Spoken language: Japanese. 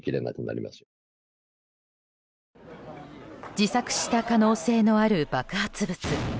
自作した可能性のある爆発物。